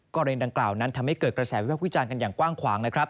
กรณีดังกล่าวนั้นทำให้เกิดกระแสวิภาพวิจารณ์กันอย่างกว้างขวางนะครับ